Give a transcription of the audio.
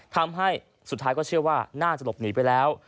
ทำให้สุดท้ายก็เชื่อว่าน่าจะหลบหนีไปแล้ว